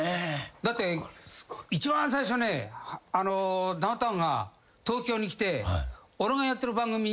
だって一番最初ねあのダウンタウンが東京に来て。